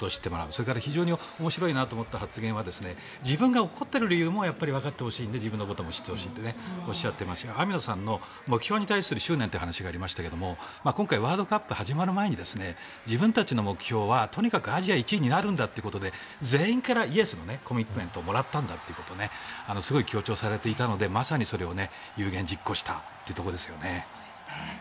それから非常に面白いと思った発言が自分が怒っている理由もやっぱりわかってほしいので自分のことも知ってもらいたいということですが網野さんの目標に対する執念という話ですが今回、ワールドカップ始まる前に自分たちの目標はとにかくアジア１位になるんだということで前半からイエスのコミットメントをもらったんだと強調されていたのでまさにそれを有言実行したというところですよね。